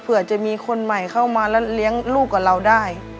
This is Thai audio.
เผื่อจะมีคนใหม่เข้ามาแล้วเลี้ยงลูกกับเราได้